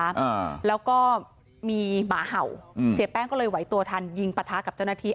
อ่าแล้วก็มีหมาเห่าอืมเสียแป้งก็เลยไหวตัวทันยิงปะทะกับเจ้าหน้าที่